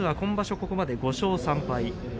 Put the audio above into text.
ここまで５勝３敗。